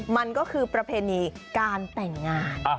มันก็คือประเพณีการแต่งงาน